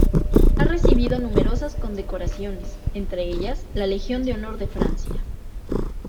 Ha recibido numerosas condecoraciones, entre ellas la Legión de Honor de Francia.